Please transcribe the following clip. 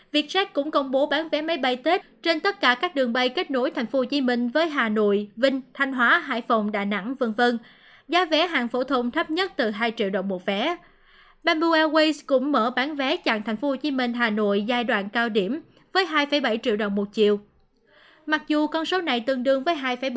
việt jack cũng công bố bán vé máy bay tết nhưng không có hệ số sử dụng ghế